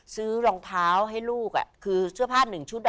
รองเท้าให้ลูกคือเสื้อผ้าหนึ่งชุด